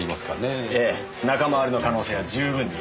ええ仲間割れの可能性は十分に。